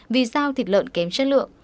vì sao thịt lợn kém chất lượng